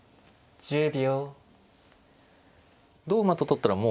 １０秒。